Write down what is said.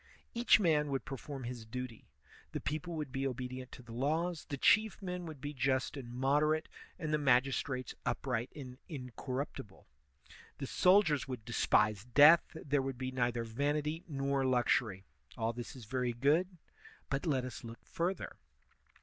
Each man would perform his duty; the people would be obedient to the laws, the chief men would be just and moderate, and the magistrates upright and incor ruptible; the soldiers would despise death; there would be neither vanity nor luxury. All this is very good; but let us look further.